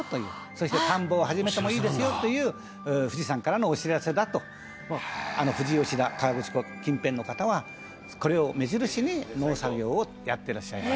「そして田んぼを始めてもいいですよという富士山からのお知らせだと富士吉田河口湖近辺の方はこれを目印に農作業をやってらっしゃいます」